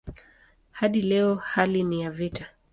Hadi leo hali ni ya vita.